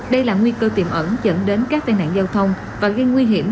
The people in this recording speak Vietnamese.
đây là nguy cơ tiềm ẩn dẫn đến các tai nạn giao thông và gây nguy hiểm